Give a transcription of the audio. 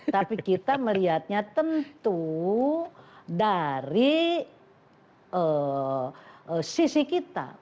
tapi kita melihatnya tentu dari sisi kita